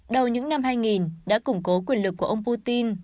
đầu những năm hai nghìn đã củng cố quyền lực của ông putin